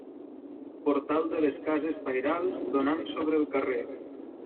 Portal de les cases pairals donant sobre el carrer.